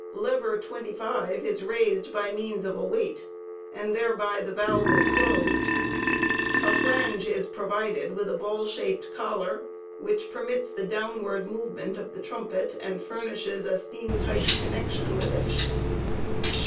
Lever 25 is raised by means of a weight and thereby the valve is closed. A flange (10) is* provided with at ball shaped collar, which permits the downward movement of the trumpet 27, and furnishes a steam tight connection with it.